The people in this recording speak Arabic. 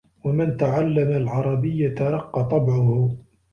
وَمَنْ تَعَلَّمَ الْعَرَبِيَّةَ رَقَّ طَبْعُهُ